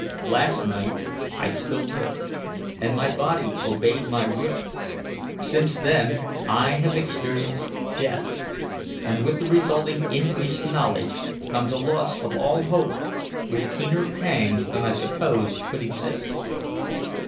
Last night I still lived, and my body obeyed my will. Since then I have experienced death, and with the resulting increased knowledge comes the loss of all hope, with keener pangs than I supposed could exist.